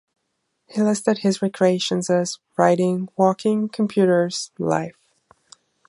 He listed his recreations as "writing, walking, computers, life".